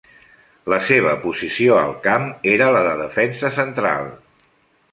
La seva posició al camp era la de defensa central.